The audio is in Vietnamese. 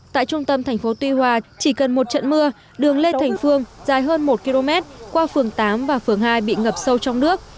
tại trung tâm thành phố tuy hòa chỉ cần một trận mưa đường lê thành phương dài hơn một km qua phường tám và phường hai bị ngập sâu trong nước